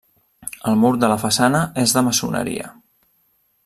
El mur de la façana és de maçoneria.